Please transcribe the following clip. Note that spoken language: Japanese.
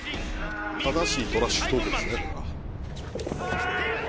「正しいトラッシュトークですね」